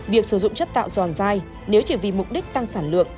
việc sử dụng chất tạo giòn dai nếu chỉ vì mục đích tăng sản lượng